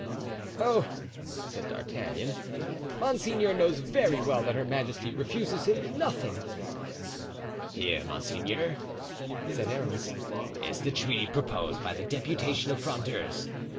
"Oh!" said D'Artagnan, "monseigneur knows very well that her majesty refuses him nothing." "Here, monseigneur," said Aramis, "is the treaty proposed by the deputation of Frondeurs.